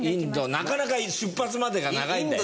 なかなか出発までが長いんだよ。